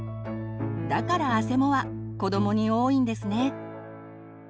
だからあせもは子どもに多いんですね。